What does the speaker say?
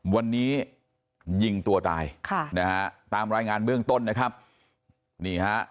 วันนี้ยิงตัวตายค่ะนะฮะตามรายงานเบื้องต้นนะครับนี่ฮะ